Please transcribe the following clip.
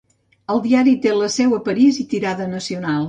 El diari té la seu a París i tirada nacional.